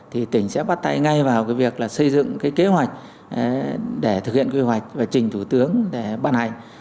thì tỉnh sẽ bắt tay ngay vào việc xây dựng kế hoạch để thực hiện quy hoạch và trình thủ tướng để bàn hành